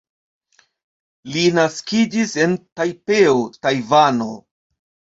Li naskiĝis en Tajpeo, Tajvano.